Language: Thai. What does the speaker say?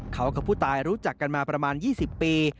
เขากับผู้ตายรู้จักกันมาประมาณ๒๐ปี